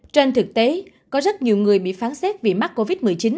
trên thực tế có rất nhiều người bị phán xét vì mắc covid một mươi chín